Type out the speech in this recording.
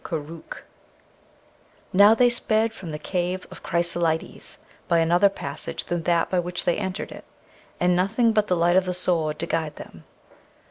KOOROOKH Now, they sped from the Cave of Chrysolites by another passage than that by which they entered it, and nothing but the light of the Sword to guide them.